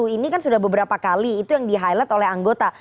ini kan sudah beberapa kali itu yang di highlight oleh anggota